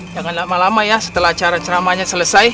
jangan lama lama ya setelah acara ceramahnya selesai